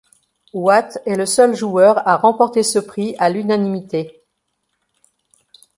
Watt est le seul joueur à remporter ce prix à l'unanimité.